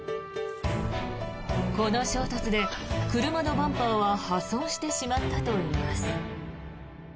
この衝突で車のバンパーは破損してしまったといいます。